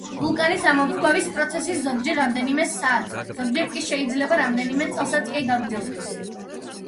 ვულკანის ამოფრქვევის პროცესი ზოგჯერ რამდენიმე საათს, ზოგჯერ კი შეიძლება რამდენიმე წელსაც კი გაგრძელდეს.